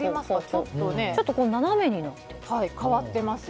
ちょっと斜めになってる。